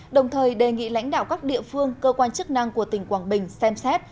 đồng thời đề nghị lãnh đạo các địa phương cơ quan chức năng của tỉnh quảng bình xem xét